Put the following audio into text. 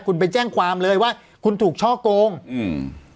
คุณไปแจ้งความเลยว่าคุณถูกช่อโกงอืม